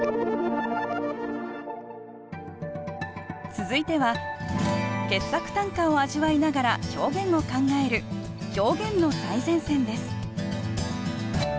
続いては傑作短歌を味わいながら表現を考える「表現の最前線」です